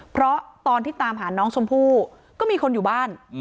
เพราะตอนที่ตามหาน้องชมพู่ก็มีคนอยู่บ้าน